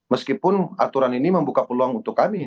meskipun aturan ini membuka peluang untuk kami